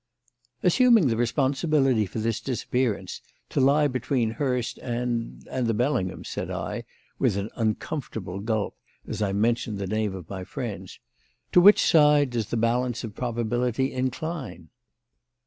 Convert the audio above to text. "Assuming the responsibility for this disappearance to lie between Hurst and and the Bellinghams," said I, with an uncomfortable gulp as I mentioned the name of my friends, "to which side does the balance of probability incline?"